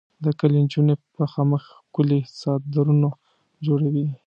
د کلي انجونې په خامک ښکلي څادرونه جوړوي.